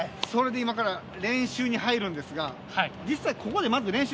それで今から練習に入るんですが実際。